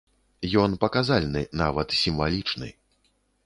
Ён паказальны, нават сімвалічны.